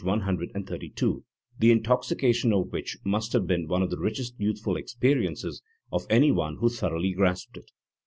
132), the intoxication of which must have been one of the richest youthful experiences of any one who thoroughly grasped it.